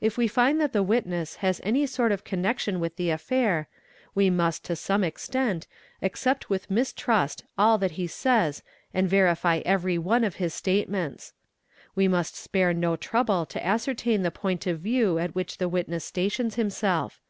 If we find that the witness has any sort of connection with the affair, we must, to some extent, accept with mistrust all that he says and ~ verify every one of his statements; we must spare no trouble to ascertain the point of view at which the witness stations himself.